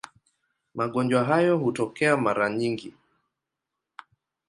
Magonjwa hayo hutokea mara nyingi.